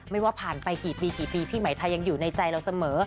ว่าผ่านไปกี่ปีกี่ปีพี่หมายไทยยังอยู่ในใจเราเสมอ